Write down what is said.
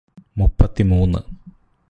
മുപ്പത്തിമൂന്ന്